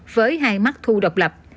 với hai mắt thu độc lập